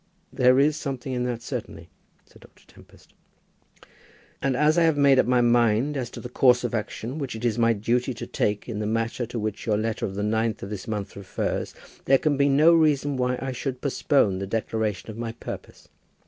"There is something in that, certainly," said Dr. Tempest. "And as I have made up my mind as to the course of action which it is my duty to take in the matter to which your letter of the 9th of this month refers, there can be no reason why I should postpone the declaration of my purpose.